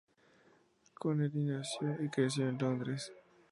Connery nació y creció en Londres.